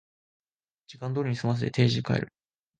時間通りに済ませて定時で帰る